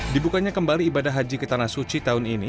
dibukanya kembali ibadah haji ke tanah suci tahun ini